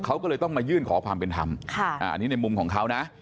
เขาก็เลยต้องมายื่นขอความเป็นธรรมอันนี้ในมุมของเขานะ